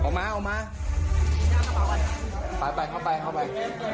ให้เข้าไป